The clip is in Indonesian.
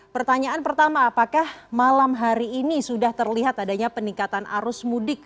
pertanyaan pertama apakah malam hari ini sudah terlihat adanya peningkatan arus mudik